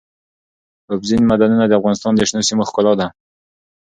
اوبزین معدنونه د افغانستان د شنو سیمو ښکلا ده.